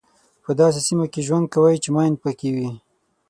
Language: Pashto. په داسې سیمه کې ژوند کوئ چې ماین پکې وي.